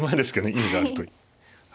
意味があると。